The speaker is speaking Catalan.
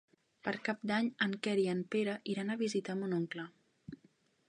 Per Cap d'Any en Quer i en Pere iran a visitar mon oncle.